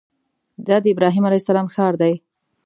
دا د ابراهیم علیه السلام ښار دی.